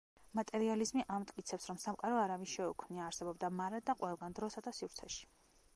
მატერიალიზმი ამტკიცებს, რომ სამყარო არავის შეუქმნია, არსებობდა მარად და ყველგან, დროსა და სივრცეში.